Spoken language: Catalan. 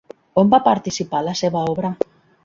On va participar la seva obra?